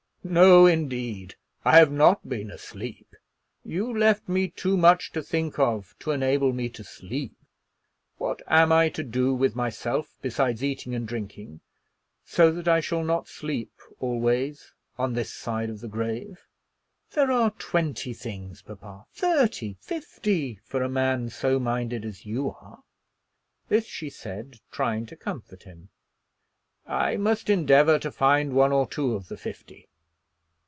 "No, indeed; I have not been asleep. You left me too much to think of to enable me to sleep. What am I to do with myself besides eating and drinking, so that I shall not sleep always on this side of the grave?" "There are twenty things, papa, thirty, fifty, for a man so minded as you are." This she said trying to comfort him. "I must endeavor to find one or two of the fifty."